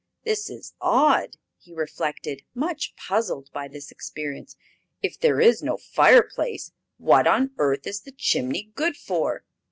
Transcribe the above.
"This is odd!" he reflected, much puzzled by this experience. "If there is no fireplace, what on earth is the chimney good for?"